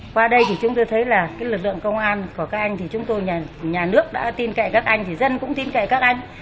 qua đây thì chúng tôi thấy là lực lượng công an của các anh thì chúng tôi nhà nước đã tin kệ các anh thì dân cũng tin kệ các anh